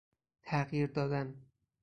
تغییر دادن